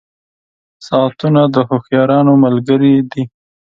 • ساعتونه د هوښیارانو ملګري دي.